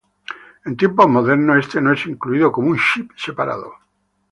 En tiempos modernos, este no es incluido como un chip separado.